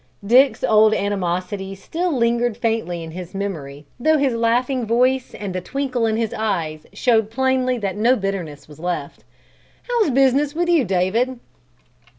Dick's old animosities still lingered faintly in his memory, though his laughing voice and the twinkle in his eyes showed plainly that no bitterness was left. "How's business with you, David?"